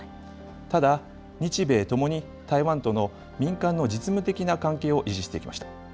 ただ、日米ともに台湾との民間の実務的な関係を維持してきました。